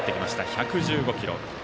１１５キロ。